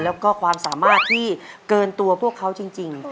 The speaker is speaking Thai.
แล้วก็ความสามารถที่เกินตัวพวกเขาจริง